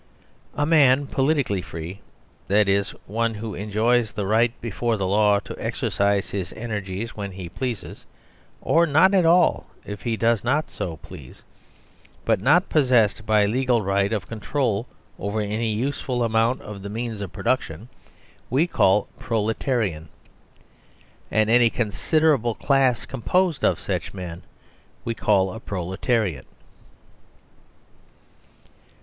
A man politically free, that is, one who enjoys the right before the law to exercise his energies when he pleases (or not at all if he does not so please), 13 THE SERVILE STATE but not possessed by legal right of control over any useful amount of the means of production, we call proletarian, and any considerable class composed of such men we call a proletariat.